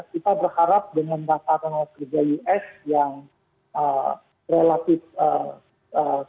kita berharap dengan data kerja us yang relatif semilarnya